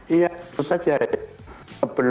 iya terus aja ya